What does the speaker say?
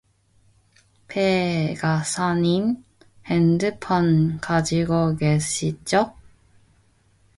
배 기사님 핸드폰 가지고 계시죠?